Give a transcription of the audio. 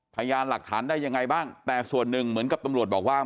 พยานหลักฐานได้ยังไงบ้างแต่ส่วนหนึ่งเหมือนกับตำรวจบอกว่า